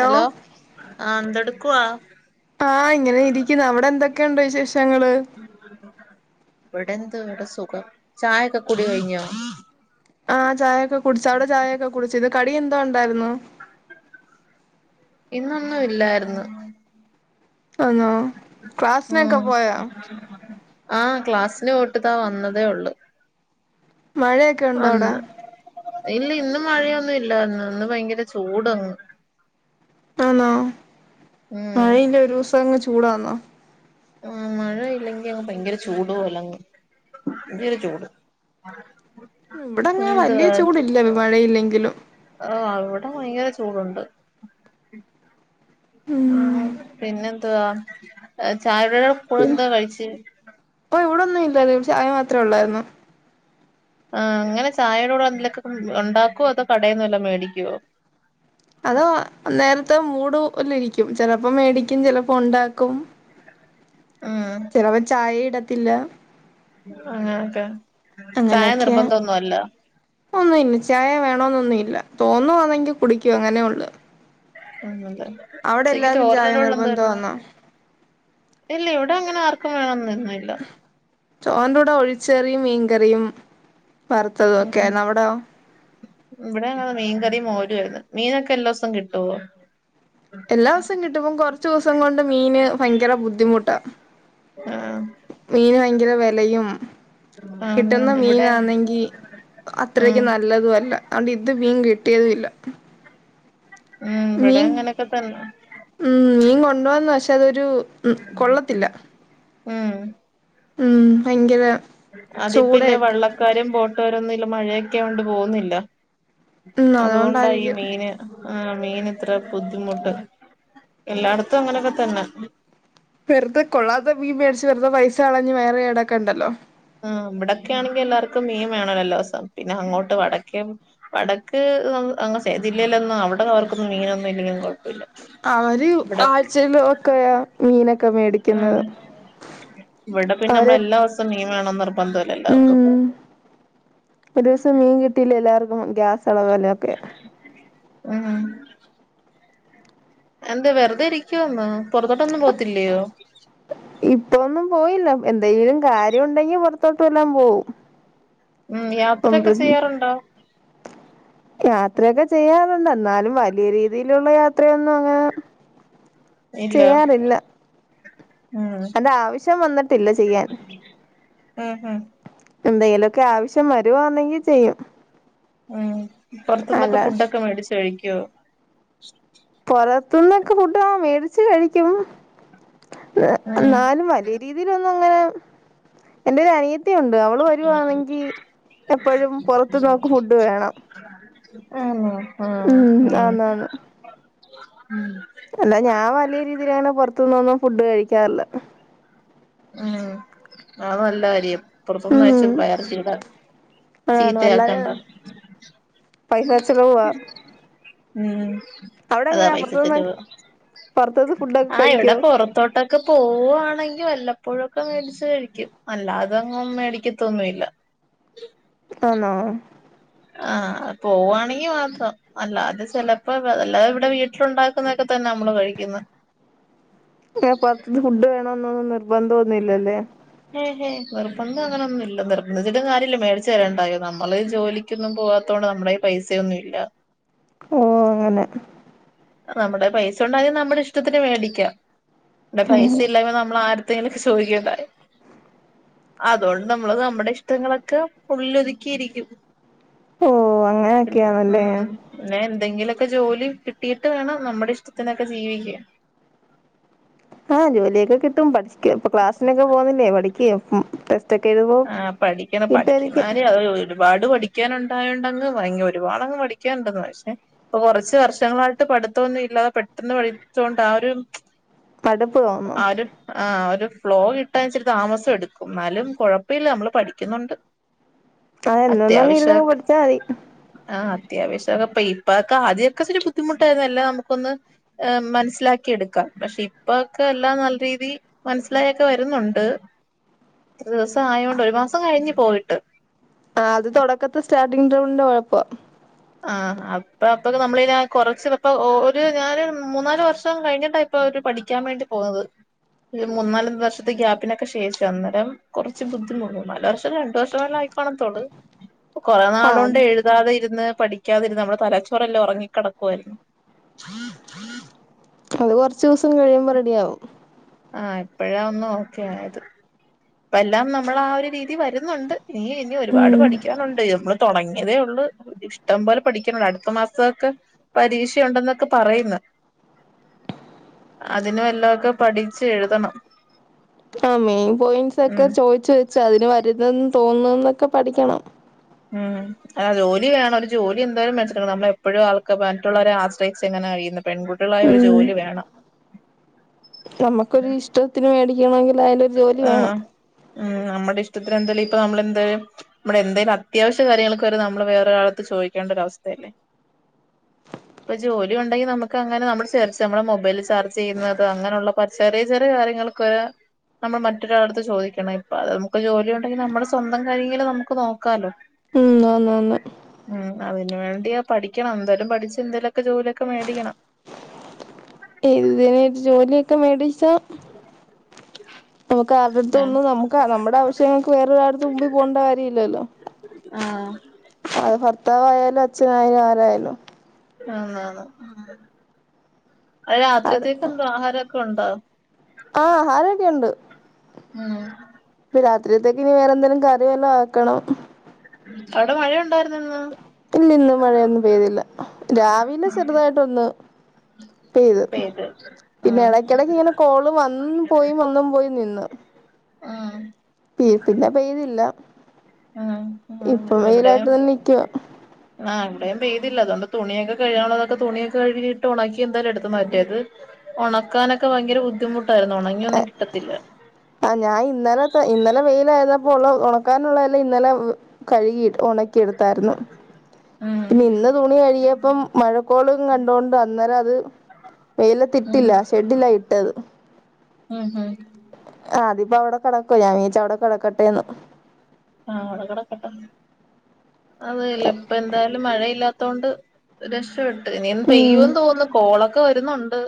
Hello ആഹ് എന്തെടുക്കുവാ? ആഹ് ഇങ്ങനെ ഇരിക്കുന്നു. അവിടെ എന്തൊക്കെയുണ്ട് വിശേഷങ്ങള്? ഇവിടെന്ത് ഇവിടെ സുഖം ചായൊക്കെ കുടി കഴിഞ്ഞോ? ആഹ് ചായയൊക്കെ കുടിച്ച് അവിടെ ചായൊക്കെ കുടിച്ചൊ ഇത് കടി എന്തോണ്ടായിരുന്നു? ഇന്നൊന്നും ഇല്ലായ്രുന്നു ആന്നോ ക്ലാസ്സിനൊക്കെ മ്മ് പോയോ ആഹ് ക്ലാസിന് പോയിട്ടിതാ വന്നതേ ഉള്ളു മഴയൊക്കെ ഉണ്ടോ അവിടെ ഒന്ന് ഇല്ല ഇന്ന് മഴയൊന്നും ഇല്ല ഇന്ന് ഭയങ്കര ചൂടങ്ങ് ആന്നോ ഉം മഴയില്ലേ ഒരു ദിവസം അങ്ങ് ചൂടാന്നോ ആഹ് മഴ ഇല്ലെങ്കിൽ അങ്ങ് ഭയങ്കര ചൂടു പോലങ്ങ് ഭയങ്കര ചൂട് ഇവിടെങ്ങെ വലിയ ചൂട് ഇല്ല മഴയില്ലെങ്കിലും ആഹ് അവിടെ ഭയങ്കര ചൂടുണ്ട് ഉം മ്മ് പിന്നെ എന്തുവാ ചായയുടെ കൂടെ എന്താ കഴിച്ചെ ഒന്നും ഇല്ല ഇവിടെ ചായ മാത്രമേ ഉള്ളായിരുന്നു ആഹ് അങ്ങനെ ചായയുടെ കൂടെ എന്തേലൊക്കെ ഉണ്ടാക്കുവോ അതോ കടേന്ന് വല്ലോം മേടിക്കുവോ അതോ നേരത്തെ മൂഡ് പോലെ ഇരിക്കും ചിലപ്പോ മേടിക്കും ചിലപ്പോ ഉണ്ടാക്കും മ്മ് ചിലപ്പോ ചായയും ഇടത്തില്ല അങ്ങനെയൊക്കെ ചായ നിർബന്ധം ഒന്നും അല്ല ഒന്നും ഇല്ല ചായ വേണോന്നൊന്നും ഇല്ല തോന്നുവാന്നെങ്കി കുടിക്കും അങ്ങനെയെ ഉള്ളു അതെ അവിടെ ഉച്ചയ്ക്ക് എല്ലാർക്കും ചായ ചോറിൻ്റെ കൂടെ എന്തായിരുന്നു നിർബന്ധമാന്നോ ഇല്ല ഇവിടെ അങ്ങനെ ആർക്കും വേണം എന്നൊന്നും ഇല്ല ചോറിൻ്റെ കൂടെ ഒഴിച്ച് കറിയും മീൻകറിയും വറുത്തതും ഒക്കെ ഉം ആയിരുന്നു അവിടെയോ ഇവിടെ ഞങ്ങള് മീൻ കറിയും മോരുമായിരുന്നു മീനൊക്കെ എല്ലാ ദിവസവും കിട്ടുവോ എല്ലാ ദിവസവും കിട്ടും ഇപ്പം കൊറച്ച് ദിവസം കൊണ്ട് മീന് ഭയങ്കര ബുദ്ധിമുട്ടാ ആഹ് മീന് ഭയങ്കര വിലയും കിട്ടുന്ന ആഹ് ഇവിടെ മീനാണെങ്കി ഉം അത്രയ്ക്ക് നല്ലതുഅല്ല അതി ദ് മീൻ കിട്ടിയതും ഇല്ല ഉം ഇവിടെ മീൻ അങ്ങനൊക്കെ തന്ന ഉം മീൻ കൊണ്ടന്നു പക്ഷെ അതൊരു ഉം കൊള്ളത്തില്ല ഉം ഉം ഭയങ്കര അതിപ്പ ഇല്ല ചൂടയൊക്കെ വള്ളക്കാരും ബോട്ടുകാരൊന്നും ഇല്ല മഴയൊക്കെ ആയോണ്ട് പോന്നില്ല ഉം അതുകൊണ്ടാ ഈ അതുകൊണ്ടായിരിക്കും മീന് ആഹ് മീന് ഇത്ര ബുദ്ധിമുട്ട് എല്ലായിടത്തും അങ്ങനൊക്കെ തന്നെ വെറുതെ കൊള്ളാത്ത മീൻ മേടിച്ച് വെുത പൈസ കളഞ് വയറ് കേടാക്കണ്ടല്ലോ ആ ഇവിടൊക്കെ ആണെങ്കിൽ എല്ലാർക്കും മീൻ വേണം എല്ലോസം പിന്നെ അങ്ങോട്ട് വടക്കേ വടക്ക് ആ ജില്ലയിലൊന്നും അവിടെ അവർക്കൊന്നും മീനൊന്നും ഇല്ലെങ്കിലും കുഴപ്പല്ല അവര് ആഴ്ചെലൊക്കെയ മീനൊക്കെ മേടിക്കുന്നത് ഉം ഇവിടെ പിന്നെ അവര് നമ്മള് എല്ലാ ദിവസം മീൻ വേണം ന്ന് നിർബന്ധല്ല എല്ലാർക്കും ഉം ഒരു ദിവസം മീൻ കിട്ടിയില്ലെ എല്ലാവർക്കും ഗ്യാസ് എളവല്ല ആഹ് എന്താ വെറുതെ ഇരിക്കുവാന്നോ പൊറത്തോട്ടൊന്നും പോത്തില്ലയോ ഉ ഇപ്പൊന്നും പോയില്ല എന്തെങ്കിലും കാര്യം ഉണ്ടെങ്കി പൊറത്തോട്ട് വല്ലാം പോവും ഉം ഇപ്പം യാത്രയൊക്കെ ചെയ്യാറുണ്ടോ യാത്രയൊക്കെ ചെയ്യാറുണ്ട് എന്നാലും വലിയ രീതിയിലുള്ള യാ ഇല്ല ഉം അതിന്റെ ആവശ്യം വന്നിട്ടില്ല ചെയ്യാൻ ഉം ഉം എന്തെങ്കിലൊക്കെ ആവശ്യം വരുവാന്നെങ്കി ചെയ്യും ഉം അല്ല പൊറത്തുന്നൊക്കെ ഫുഡൊക്കെ മേടിച്ച് കഴിക്കുവോ പൊറത്തുന്നൊക്കെ ഫുഡ് ആ മേടിച്ചു കഴിക്കും എന്നാലും ആണോ വലിയ രീതിയിലൊന്നും അങ്ങനെ എന്റെ ഒരു അനിയത്തി ഒണ്ട് അവള് വരുവാണെങ്കി എപ്പഴും പൊറത്ത്ന്ന് അവക്ക് ഫുഡ് വേണം അങ്ങനെ ഉം ആ ആന്നാന്ന് ങ്ങീ മ് അല്ല ഞാൻ വലിയ രീതിയിലങ്ങനെ പൊറത്ത് ന്നൊന്നും ഫുഡ് കഴിക്കാറില്ല ഉം അത് നല്ല കാര്യം പൊറത്ത്ന്ന് ഉം കഴിച്ച് വയറ് [unintelligible] ആണോ അല്ലാതെ ചീത്തയാക്കണ്ട പൈസ ചെലവാ ഉം അവിടെ അതാ എങ്ങനാ പുറത്തുന്ന് [unintelligible] പുറത്തത്തെ ഫുഡൊക്കെ ആ ഇവിടെ കഴിക്കോ പൊറത്തോട്ട് ക്കെ പോവാണെങ്കിൽ വല്ലപ്പോഴൊക്കെ മേടിച്ച് കഴിക്കും അല്ലാതെ അങ്ങ് മേടിക്കത്തൊന്നുഇല്ല ആന്നോ ആഹ് പോവാണെങ്കി മാത്രം അല്ലാതെ ചെലപ്പോ അല്ലാതെ ഇവിടെ വീട്ടിലുണ്ടാക്കുന്നതൊക്കെ തന്നെ നമ്മള് കഴിക്കുന്ന പുറത്ത്ന്ന് ഫുഡ് വേണന്നൊന്നും നിർബന്ധം ഒന്നും ഇല്ലല്ലേ ഏഹെ നിർബന്ധം അങ്ങനൊന്നുല്ല നിർബന്ധിച്ചിട്ടും കാര്യല്ല മേടിച്ച് തരണ്ടായോ നമ്മള് ജോലി ക്കൊന്നും പോവാത്തോണ്ട് നമ്മുടെ കയ്യിൽ പൈസയൊന്നും ഇല്ല ഓ അങ്ങനെ നമ്മുടെ പൈസ ഒണ്ടാരുന്നേ നമ്മുടെ ഇഷ്ടത്തിന് മേടിക്കാം ടെ പൈസ ഇല്ലായ്മ നമ്മളാ ത്തെലൊക്കെ ചോദിക്കണ്ടായൊ അതുകൊണ്ട് നമ്മള് നമ്മുടെ ഇഷ്ടങ്ങളൊക്കെ ഉള്ളിലൊതുക്കിയിരിക്കും ഓ ഉ അങ്ങനെയൊക്കെയാണല്ലേ പിന്നെ എന്തെങ്കിലൊക്കെ ജോലി കി കിട്ടീട്ട് വേണം നമ്മുടെ ഇഷ്ടത്തിനൊക്കെ ജീവിക്ക ആ ജോലിയൊക്കെ കിട്ടും പഠിക്ക് ഇപ്പൊ ക്ലാസ്സിനൊക്കെ പോണില്ലേ പഠിക്ക് ആ പഠിക്കണം പഠിക്കുന്നേ കാര്യം [unintelligible] ഒരുപാട് പഠിക്കാനുണ്ടായണ്ടങ്ങ് ഭയങ്കര ഒരുപാട്ങ്ങ് പഠിക്കാനുണ്ട് പക്ഷേ ഇപ്പൊ കുറച്ച് വർഷങ്ങളായിട്ട് പഠിത്തൊന്നുല്ലാതെ പെട്ടെന്ന് പഠിച്ചൊണ്ട് ആ ഒരു മടുപ്പ് തോന്നും ആ ഒരു ആ ഒരു ഫ്ലോ കിട്ടാച്ചിരി താമസം എടുക്കും എന്നാലും കുഴപ്പ ഇല്ല നമ്മള് പഠിക്കുന്നുണ്ട് അഹ എന്നൊന്നും ഇരുന്ന പടിച്ചാ മതി ആ അത്യാവശ്യംക്കെ ഇപ്പൊക്കെ ആദ്യമൊക്കെ ഒരു ബുദ്ധിമുട്ടായിന്നല്ല നമുക്കൊന്ന് മനസ്സിലാക്കിയെടുക്കാം പക്ഷേ ഇപ്പൊക്കെല്ലാം നല്ല രീതി മനസ്സിലായൊക്കെ വരുന്നുണ്ട് ഇത്ര ദിവസം ആയോണ്ട് ഒരു മാസം കഴിഞ്ഞ് പോയിട്ട്. ആ അത് തുടക്കത്തെ സ്റ്റാർട്ടിംങ് ട്രബിളിന്റെ കുഴപ്പാ ആഹ് അപ്പൊ അപ്പൊക്ക നമ്മളീ കൊറച്ച് ഇപ്പൊ ഒരു ഞാന് മൂന്നാല് വർഷം കഴിഞ്ഞിട്ടാ ഇപ്പൊര് പഠിക്കാൻ വേണ്ടി പോകുന്നത് ഒരു മൂന്നാല് വർഷത്തെ ഗ്യാപ്പിനൊക്കെ ശേഷം അന്നേരം കുറച്ച് ബുദ്ധിമുട്ടു നല്ല വർഷം രണ്ടു വർഷം വല്ലെ ആയിക്കോണത്തോള് കൊറേ ആ നാളോണ്ട് എഴുതാതെ ഇരുന്ന് പഠിക്കാതിരിന്നാൽനമ്മുടെ തലച്ചോറല്ലാം ഉറങ്ങിക്കിടക്കുവായിരുന്നു. അത് കുറച്ച് ദിവസം കഴിയുമ്പോ റെഡിയാവും. ആ എപ്പഴാ ഒന്ന് ഓക്കെ ആയത്. ഇപ്പെല്ലാം നമ്മളാ ആ ഒരു രീതി വരുന്നുണ്ട് ഇല്ല ഇനി ഒരുപാട് ഉം പഠിക്കാനുണ്ട് നമ്മള്. തുടങ്ങിയതേ ഉള്ളൂ ഇഷ്ടംപോലെ പഠിക്കണം അടുത്ത മാസമൊക്കെ പരീക്ഷയുണ്ടെന്നൊക്കെ പറയുന്ന്. അതിനും വല്ലഒക്കെ പഠിച്ചു എഴുതണം ആ മെയിൻ പോയിന്റ്സ് ഉം ഒക്കെ ചോയിച്ച് വെച്ച് അതിന് വരുന്നന്ന് തോന്നുന്നതൊക്കെ പഠിക്കണം. ഉം അ ജോലി വേണം ഒരു ജോലി എന്തായാലും [unintelligible] നമ്മളെപ്പോഴും ആൾക്ക് മറ്റുള്ളവരെ ആശ്രയിച്ച് ഇങ്ങനെ കഴിയുന്ന പെൺകുട്ടികളായ ഒരു ഉം ജോലി വേണം. നമുക്കൊരു ഇഷ്ടത്തിന് വേടിക്കണങ്കിൽ അയിലൊരു ജോലി വേണം. ആഹ് ഉം നമ്മുടെ ഇഷ്ടത്തി [unintelligible] ഇപ്പ നമ്മളിന്തയ്യും. നമ്മടെ എന്തോലും അത്യാവശ്യ കാര്യങ്ങൾക്കെ വരെ നമ്മള് വേറെൊരാളട്ത്ത് ചോദിക്കേണ്ടരൊവസ്ഥയല്ലേ? [inaudible] ഇപ്പൊ ജോലി ഉണ്ടെങ്കിൽ നമുക്ക് അങ്ങനെ നമ്മള് [unintelligible] നമ്മള് മൊബൈൽ ചാർജ് ചെയ്യുന്നത് അങ്ങനെയുള്ള പ ചെറിയ ചെറിയ കാര്യങ്ങൾക്ക് വരെ നമ്മൾ മറ്റൊരാളടുത്ത് ചോദിക്കണം ഇപ്പ അത് നമുക്ക് ജോലി ഉണ്ടെങ്കിൽ നമ്മുടെ സ്വന്തം കാര്യങ്കിലും നമുക് നോക്കാലോ. ഉ ആന്നാന്ന് ഉം അതിന് വേണ്ടിയാ പഠിക്കണം എന്തായാലും പഠിച്ച് എന്തേലുംക്കെ ജോലിയൊക്കെ മേടിക്കണം. എന്തിന് ജോലിയൊക്കെ മേടിച്ചാ നമുക്ക് ആരുടെ അടുത്ത ഏഹ് ഒന്നും നമുക്ക് നമ്മുടെ ആവശ്യങ്ങൾക്ക് വേറൊരു ആളട്ത്ത് മുമ്പിൽ പോകണ്ട കാര്യ ഇല്ലല്ലോ. ആഹ് അത് ഭർത്താവായാലും അച്ഛനായ ആരായാലും ആന്നാന്ന് അത് അവിടെ രാത്രിത്തേക്കുന്തോ ആഹാരം കെണ്ടോ ആ ആഹാരയൊക്കെ ഉണ്ട് ഉം ഇപ്പ രാത്രിയത്തേക്ക് ഇനി വേറെ എന്തേലും കറിവെല്ലാം ആക്കണം. അവിടെ മഴയുണ്ട ഇല്ല ഇല്ല ഇന്ന് മഴയൊന്നും പെയ്തില്ല രാവിലെ ചെറുതായിട്ടൊന്ന് പെയ്ത് പിന്നെ ഉം ഇടക്കിടക്ക് ഇങ്ങനെ കോള് വന്ന് പോയി വന്നും പോയി നിന്ന് ആഹ് [unintelligible] പിന്നെ പെയ്തില്ല ആ ആഹ് ഇപ്പം എവിടെയാ വെയിലായിട്ട് തന്നെ നിൽക്കുവാ ആ ഇവിടെയും പേയ്തില്ല അതു കൊണ്ട് തുണിയക്കെ കഴുകാനുഉള്ളതൊക്കെ തുണിയൊക്കെ കഴുകിട്ട് ഉണക്കി എന്താലും എടുത്തു മാറ്റേത് ഉണക്കാനൊക്കെ ഭയങ്കര ബുദ്ധിമുട്ടായിരുന്നു ഉണങ്ങിയൊന്നും കിട്ടത്തില്ല ആ ഞാൻ ഇന്നലെ ഇന്നലെ വെയിലായിരുന്നപ്പോ ഉള്ള ഉണക്കാനുള്ളതല്ല ഇന്നലെ കഴുകിട്ട് ഉണക്കിടുത്തായിരുന്നു ഉം പിന്നെ ഇന്ന് തുണി കഴുകിയ ഇപ്പം മഴക്കോളും കണ്ടുകൊണ്ട് അന്നേരം അത് ഉം വെയിലത്തിട്ടില്ല ഷെഡില്ല ഇട്ടത് ഹോ ഹോ ആ അതിപ്പോ അവിടെ കിടക്കോ ഞാൻ വിചാരിച്ചു അവിടെ കിടക്കട്ടെന്ന് ആ അവിടെ കിടക്കട്ടെ അതല്ല ഇപ്പ എന്തായാലും മഴയില്ലാത്ത കൊണ്ട് രക്ഷപ്പെട്ട് ഇനി ഉം പെയ്യോന്ന് തോന്നുന്നു കോളൊക്കെ വരുന്നുണ്ട്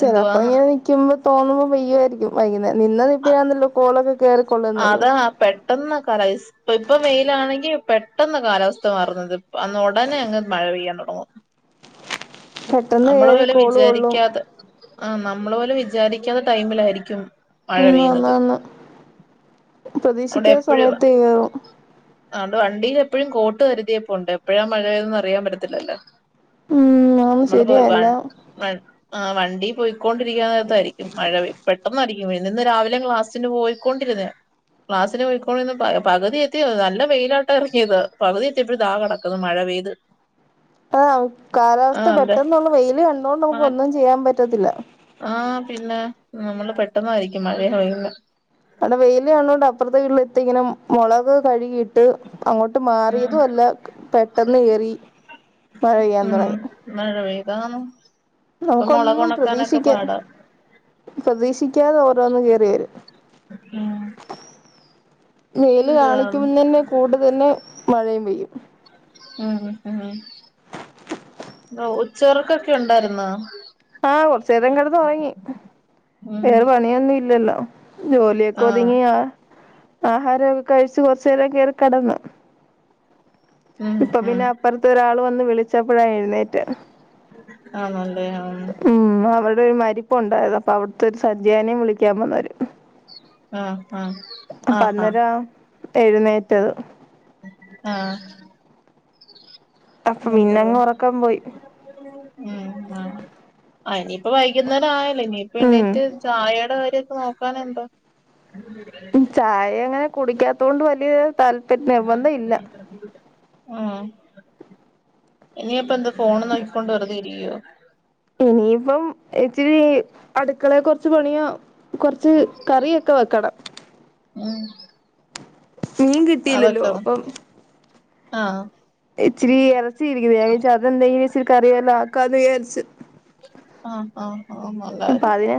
ചെലപ്പൊ എന്തുവാന്ന് ഇങ്ങനെ നിക്കുമ്പോ തോന്നുമ്പോ പെയ്യുമായിരിക്കും വൈകുന്നേ നിന്നത് ഇപ്പാണുന്നല്ലോ കോളൊക്കെ കയറിക്കൊള്ളുന്നത് അതാ പെട്ടെന്ന് കറേയ്സ് അപ്പൊ ഇപ്പൊ വെയിലാണെങ്കി പെട്ടെന്ന് കാലാവസ്ഥ മാറുന്നത് അന്ന് ഉടനെ അങ്ങ് മഴ പെയ്യാൻ തുടങ്ങും [unintelligible] നമ്മള് പോലും കോള് കൊള്ളും വിചാരിക്കാതെ ആ നമ്മള് പോലും വിചാരിക്കാത്ത ടൈമിലായിരിക്കും മഴ പെയ്യുന്നത് ഒട്ടും പ്രതീക്ഷിക്കാത്തെ സമയത്ത് അതൊണ്ട് വണ്ടിൽ എപ്പോഴും കോട്ട് കരുതിയപ്പോ ഉണ്ട് എപ്പോഴാ മഴപെയൂന്നത് അറിയാൻ പറ്റത്തില്ലല്ലോ ഉം ആന്ന് നമ്മള് ശരിയാ പോയി വ എല്ലാം [unintelligible] ആ വണ്ടി പോയിക്കൊണ്ടിരിക്കുന്നതായിരിക്കും മഴ പെട്ടെന്നായിരിക്കും പിന്നേ ഇന്ന് രാവിലെയും ക്ലാസ്സിന് പോയിക്കൊണ്ടിരുന്നേണ് ക്ലാസ്സിന് പോയിക്കോണ്ടിന്ന് പകുതി എത്തിയ നല്ല വെയിലാട്ട ഇറങ്ങിയത് പകുതി എത്തിയപ്പോഴ താ കിടക്കുന്നു മഴ പെയ്ത് ആ കാലാവസ്ഥ ആഹ് അതെ പെട്ടന്നുള്ള വെയില് കണ്ടൊണ്ട് മാ നമുക്ക് ഒന്നും ചെയ്യാൻ പറ്റത്തില്ല ആഹ് പിന്നെ നമ്മള് പെട്ടെന്നായിരിക്കും മഴ പെയ്യുന്നേ അവിടെ വെയിൽ കാണുന്നത് കൊണ്ട് അപ്പുറത്തെ വീട്ടിൽ ഇത്ത ഇങ്ങനെ മുളക് കഴുകിട്ട് കഴുകിട്ട് അങ്ങോട്ട് ഉം മാറിയതും അല്ല പെട്ടെന്ന് ഏറി മഴ പെയ്യാൻ തുടങ്ങി [unintelligible] ഇപ്പം നമുക്കൊന്നും മൊളകൊണക്കാനൊക്കെ പ്രതീക്ഷിക്ക പാടാ പ്രതീക്ഷിക്കാതെ ഓരോന്ന് കേയറി വരും ഉം വെയിൽ എന്തുവാ കാണിക്കുമ്പ തന്നെ കൂടെ തന്നെ മഴയും പെയ്യും ഉച്ചോർക്കൊക്കെ ഉണ്ടായിരുന്നോ ആഹ് കുറചേരം കിടന്ന് ഉറങ്ങി ഉം വേറെ പണിയൊന്നും ഇല്ലല്ലോ ജോലിയൊക്കെ ആഹ് ഒതുങ്ങി ആ ആഹാരമൊക്കെ കഴിച്ച് കൊറച്ചു നേരം കേയറി കിടന്ന് ഉം ഇപ്പൊ ഉം പിന്നെ അപ്പറത്ത ഒരാള് വന്ന് വിളിച്ചപ്പഴ എഴുന്നേറ്റെ ആണല്ലേ ആഹ് ഉം അവിടെ ഒര് മരി മരിപ്പൊണ്ടാര്ന്ന് അപ്പൊ അവിടുത്തെ ഒരു സഞ്ചയനേം വിളിക്കാൻ വന്നോര് ആഹ് ആഹ് അപ്പം ആഹ് ആഹ് അന്നേരം എഴുന്നേറ്റത് ആഹ് അപ്പ എന്തുവാ പിന്നങ്ങ് ഒറക്കം പോയി ഉം ആഹ് അയവിൻ [unintelligible] ഇപ്പൊ വൈകുന്നേരം ആയല്ലോ ഇനിയിപ്പ ഉം എണീറ്റ് ചായെടെ കാര്യൊക്കെ നോക്കാന്ണ്ട് ചായങ്ങനെ കുടിക്കാത്തോണ്ട് വല്യ താല്പര്യ നിർബന്ധ ഇല്ല [unintelligible] ആഹ് ഇനിയിപ്പെന്താ ഫോൺ നോക്കിക്കൊണ്ട് വെറുതെയിരിക്കോ ഇനിയിപ്പം ഇച്ചിരി അടുക്കളയെ കൊറച്ച് പണിയോ കൊറച്ച് കറിയൊക്കെ വെക്കണം ഉം മീൻ കിട്ടില്ലല്ലോ അതൊക്കെ അപ്പം ആഹ് ഇച്ചിരി എറച്ചി ഇരിക്കുന്ന് ഞാൻ വിചാരിച്ചു അതെന്തെങ്കിലും ഇച്ചിരി കറി വെല്ലാം ആക്കാന്ന് വിചാരിച്ച് ആഹ് ആഹ് ആഹ് നല്ല അപ്പൊ കാര്യം അതയാ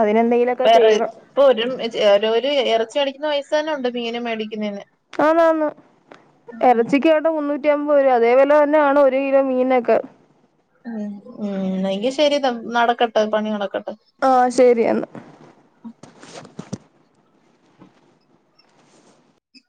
അതിനെന്തെങ്കിലൊക്കെ വേറെ ചെയ്യണം ഇപ്പൊ ഒരും ചെലോല് എറച്ചി മേടിക്കുന്ന പൈസ തന്നെ ഒണ്ട് മീനും മേടിക്കുന്നേന് ആന്നാന്ന് എറ ച്ചിക്ക് ആട്ടെ മുന്നൂറ്റി അമ്പത് രൂവ അതേ വെല തന്നെ ആണ് ഒരു കിലോ മീൻനൊക്കെ ഉം ഉം എങ്കി ശരി ത നടക്കട്ടെ പണി നടക്കട്ടെ ആഹാ ശരി അന്നാ